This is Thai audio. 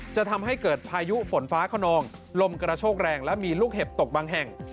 จะทำให้เกิดพายุฝนฟ้าขนองลมกระโชกแรงและมีลูกเห็บตกบางแห่ง